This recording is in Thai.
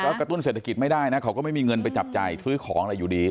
ก็กระตุ้นเศรษฐกิจไม่ได้นะเขาก็ไม่มีเงินไปจับจ่ายซื้อของอะไรอยู่ดี